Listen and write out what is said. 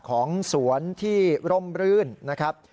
ของสวนที่ร่มรื่นนะครับ